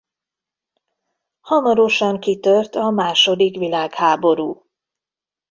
Hamarosan kitört a második világháború.